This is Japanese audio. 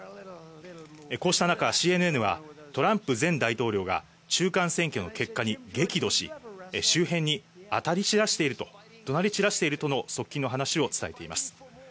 こうした中、ＣＮＮはトランプ前大統領が中間選挙の結果に激怒し、周辺に当たり散らしている、怒鳴り散らしているとの側近の話を伝えています。